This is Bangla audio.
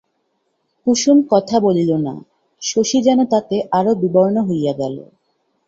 কুসুম কথা বলিল না, শশী যেন তাতে আরও বিবর্ণ হইয়া গেল।